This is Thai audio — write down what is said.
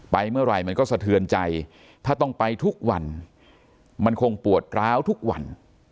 เมื่อไหร่มันก็สะเทือนใจถ้าต้องไปทุกวันมันคงปวดร้าวทุกวัน